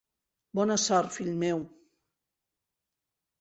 Bona sort, fill meu.